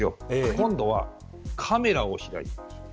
今度はカメラを開いてみます。